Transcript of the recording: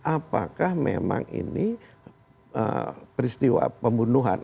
apakah memang ini peristiwa pembunuhan